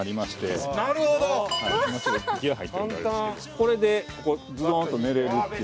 これでこうズドーンと寝れるっていう。